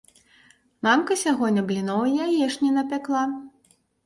Мамка сягоння бліноў і яешні напякла.